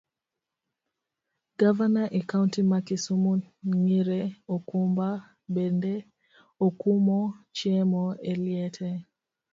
Gavana e kaunti ma kisumu ngire Okumba bende okumo chiemo e liete.